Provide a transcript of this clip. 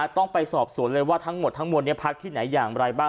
ต้องไปสอบสวนเลยว่าทั้งหมดทั้งมวลพักที่ไหนอย่างไรบ้าง